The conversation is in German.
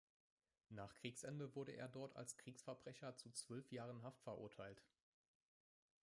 Nach Kriegsende wurde er dort als Kriegsverbrecher zu zwölf Jahren Haft verurteilt.